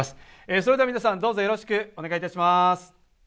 それでは皆さんどうぞよろしくお願いします。